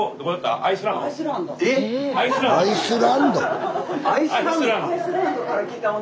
アイスランドから？